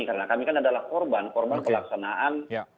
karena kami kan adalah korban korban pelaksanaan